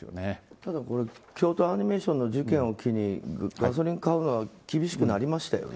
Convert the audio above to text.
ただ京都アニメーションの事件を機にガソリン買うのは厳しくなりましたよね。